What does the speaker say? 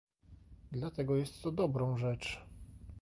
Dlatego jest to dobrą rzecz